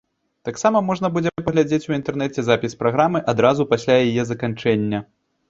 Таксама можна будзе паглядзець у інтэрнэце запіс праграмы адразу пасля яе заканчэння.